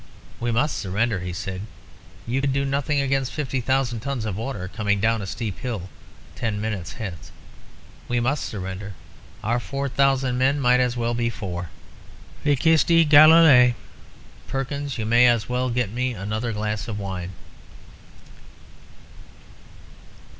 "We must surrender," he said. "You could do nothing against fifty thousand tons of water coming down a steep hill, ten minutes hence. We must surrender. Our four thousand men might as well be four. Vicisti Galilæe! Perkins, you may as well get me another glass of wine."